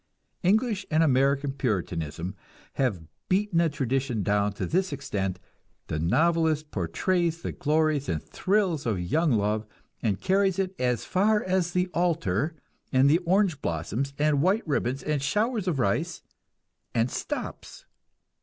English and American Puritanism have beaten the tradition down to this extent: the novelist portrays the glories and thrills of young love, and carries it as far as the altar and the orange blossoms and white ribbons and showers of rice and stops.